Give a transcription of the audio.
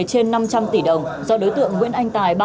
trên năm trăm linh tỷ đồng do đối tượng nguyễn anh tài